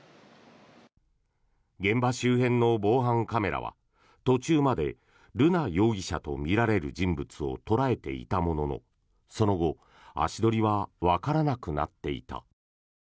現場周辺の防犯カメラは途中まで瑠奈容疑者とみられる人物を捉えていたもののその後、足取りはわからなくなっていた。